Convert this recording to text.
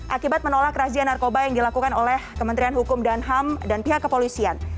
akibat menolak razia narkoba yang dilakukan oleh kementerian hukum dan ham dan pihak kepolisian